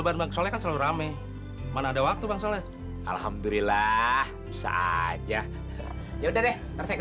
banget soalnya selalu rame mana ada waktu bangsa lah alhamdulillah saja ya udah deh